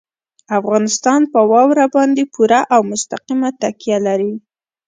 افغانستان په واوره باندې پوره او مستقیمه تکیه لري.